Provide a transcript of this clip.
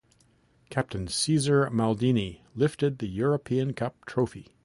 Captain Cesare Maldini lifted the European Cup trophy.